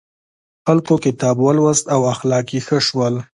خلکو کتاب ولوست او اخلاق یې ښه شول.